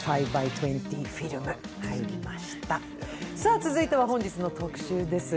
続いては本日の特集です。